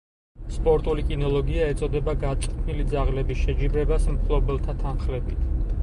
სპორტული კინოლოგია ეწოდება გაწვრთნილი ძაღლების შეჯიბრებას მფლობელთა თანხლებით.